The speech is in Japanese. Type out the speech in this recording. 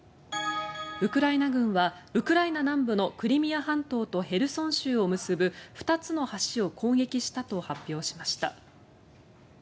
ウクライナ軍はウクライナ南部のクリミア半島とヘルソン州を結ぶ２つの橋を攻撃したと発表しました。